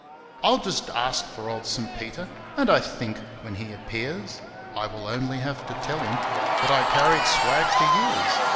I'll just ask for old St. Peter, And I think, when he appears, I will only have to tell him That I carried swag for years.